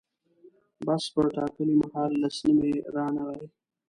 بس پر ټاکلي مهال لس نیمې رانغی.